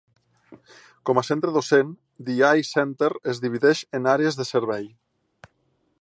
Com a centre docent, The Eye Center es divideix en àrees de servei.